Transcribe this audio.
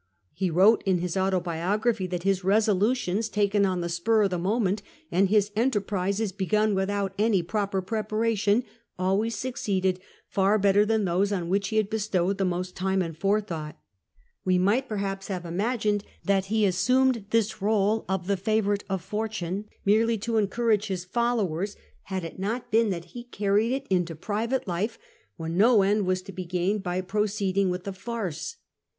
He wrote in his autobiography that his resolutions taken on the spur of the moment, and his enterprises begun without any proper preparation, always succeeded far better than those on which he had bestowed the most time and forethought. We might perhaps have imagined that he assumed this r 61 e of the favourite of fortune merely to encourage his followers, had it not been that he carried it into private life, when no end to be gained by proceeding with the farce.